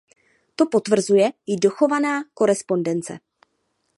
To potvrzuje i dochovaná korespondence.